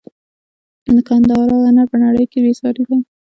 د ګندهارا هنر په نړۍ کې بې ساري دی